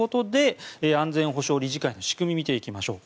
安全保障理事会の仕組み見ていきましょう。